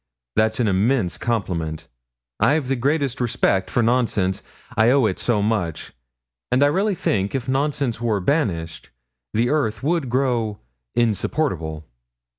That's an immense compliment. I've the greatest respect for nonsense, I owe it so much; and I really think if nonsense were banished, the earth would grow insupportable.'